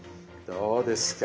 どうですか？